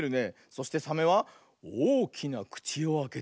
そしてサメはおおきなくちをあけておよぐ。